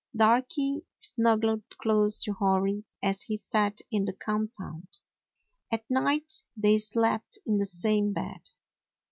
Darky snuggled close to Hori, as he sat in the compound. At night they slept in the same bed.